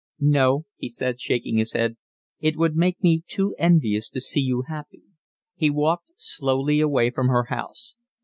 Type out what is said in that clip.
"No," he said, shaking his head. "It would make me too envious to see you happy." He walked slowly away from her house.